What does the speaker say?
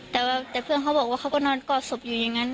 แต่เพื่อนเค้าบอกเค้าก็นอนกับสบอยอย่างนั้น